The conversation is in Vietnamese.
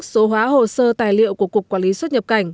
số hóa hồ sơ tài liệu của cục quản lý xuất nhập cảnh